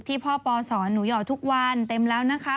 ที่พ่อปอสอนหนุยอดทุกวันเต็มแล้วนะคะ